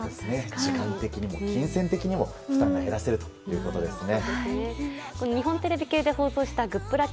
時間的にも金銭的にも負担が減らせるということですね。